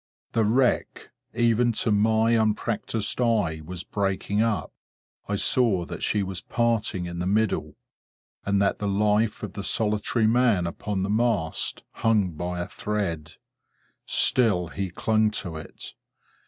The wreck, even to my unpractised eye, was breaking up. I saw that she was parting in the middle, and that the life of the solitary man upon the mast hung by a thread. Still, he clung to it.